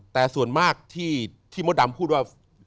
แต่ส่วนมากที่มดดำพูดว่า